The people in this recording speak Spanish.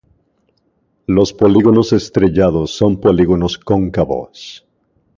Los polígonos estrellados son polígonos cóncavos.